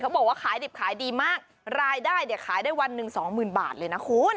บอกว่าขายดิบขายดีมากรายได้เนี่ยขายได้วันหนึ่งสองหมื่นบาทเลยนะคุณ